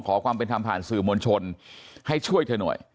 ขอความเป็นธรรมผ่านสื่อมวลชนให้ช่วยเธอหน่อย